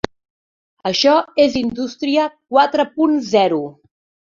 Això és indústria quatre punt zero.